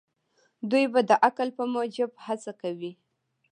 دوی به د عقل په موجب هڅه کوي.